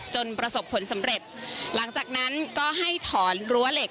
ประสบผลสำเร็จหลังจากนั้นก็ให้ถอนรั้วเหล็ก